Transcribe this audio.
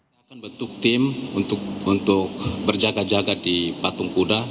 kita akan bentuk tim untuk berjaga jaga di patung kuda